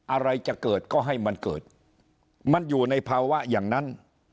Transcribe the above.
อะไรจะเกิดก็ให้มันเกิดมันอยู่ในภาวะอย่างนั้น